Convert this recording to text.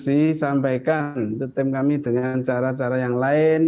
disampaikan ke tim kami dengan cara cara yang lain